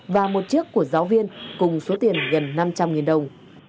và một chiếc của giáo viên cùng số tiền gần năm trăm linh đồng